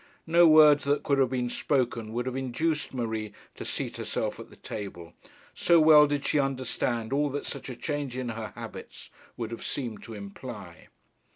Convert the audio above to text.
No words that could have been spoken would have induced Marie to seat herself at the table, so well did she understand all that such a change in her habits would have seemed to imply.